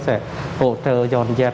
sẽ hỗ trợ dọn dẹp